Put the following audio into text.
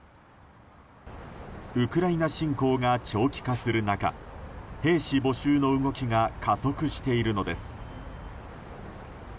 ウクライナ侵攻が長期化する中兵士募集の動きが加速しているのです。